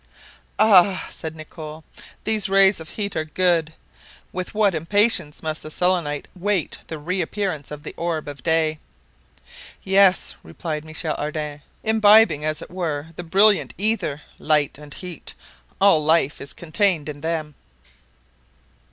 "Ah!" said Nicholl, "these rays of heat are good. With what impatience must the Selenites wait the reappearance of the orb of day." "Yes," replied Michel Ardan, "imbibing as it were the brilliant ether, light and heat, all life is contained in them."